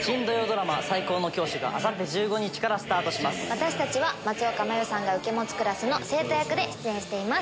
私たちは松岡茉優さんが受け持つクラスの生徒役で出演しています。